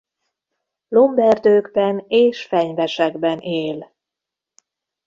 Lomberdőkben és fenyvesekben él.